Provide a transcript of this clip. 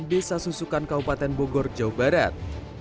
desa susukan kabupaten bogor jawa barat